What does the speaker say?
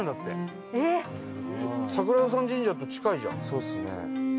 そうですね。